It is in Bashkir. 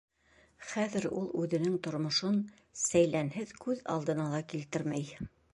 Хәҙер ул үҙенең тормошон сәйләнһеҙ күҙ алдына ла килтермәй.